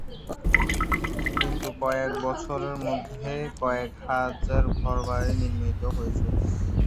কিন্তু কয়েক বছরের মধ্যেই কয়েক হাজার ঘর-বাড়ি নির্মিত হয়েছে।